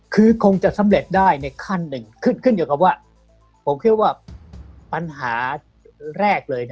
คือคงจะสำเร็จได้ในขั้นหนึ่งขึ้นขึ้นอยู่กับว่าผมคิดว่าปัญหาแรกเลย